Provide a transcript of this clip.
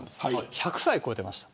１００歳を超えてました。